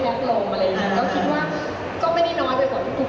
เอาจริงบีชัดไว้เร็วกับแต่ไม่ได้แพคลง